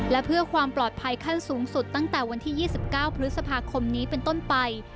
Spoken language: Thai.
และเพื่อความปลอดภัยขั้นสูงสุดตั้งแต่วันที่๒๙พฤษภาคมนี้เป็นต้นไป